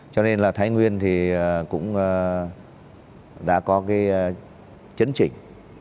cho nên là thái nguyên thì cũng đã có cái chấn chỉnh